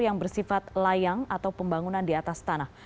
yang bersifat layang atau pembangunan di atas tanah